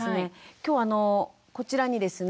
今日あのこちらにですね